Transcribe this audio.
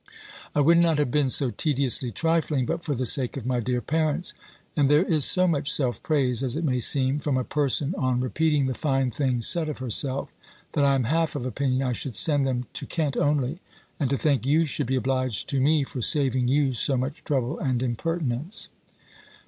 I would not have been so tediously trifling, but for the sake of my dear parents; and there is so much self praise, as it may seem, from a person on repeating the fine things said of herself, that I am half of opinion I should send them to Kent only, and to think you should be obliged to me for saving you so much trouble and impertinence.